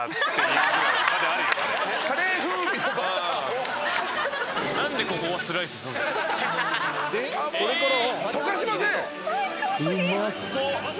うまそう！